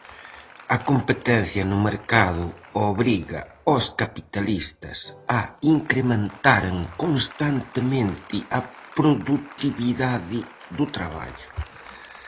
A competencia no mercado obriga aos capitalistas a incrementaren constantemente a produtividade do traballo.